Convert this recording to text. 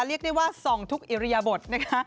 เรียกได้ว่าส่องทุกอิริยบทนะคะ